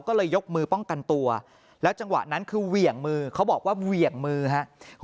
ก็เลยยกมือป้องกันตัวแล้วจังหวะนั้นคือเหวี่ยงมือเขาบอกว่าเหวี่ยงมือครับ